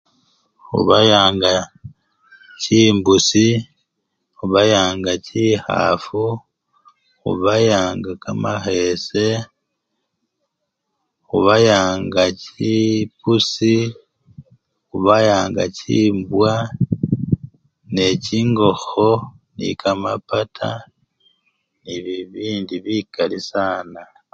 Khubayanga chimbusi, khubayanga chikhafu, khubayanga kamakhese, khubayanga chipuusi, khubayanga chimbwa nende chingokho nende kamapata nende bibindi bikali sana.